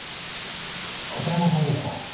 片山さんですか。